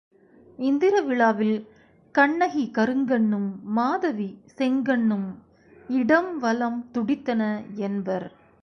இந்திர விழாவில் கண்ணகி கருங்கண்ணும் மாதவி செங்கண்ணும் இடம் வலம் துடித்தன என்பர்.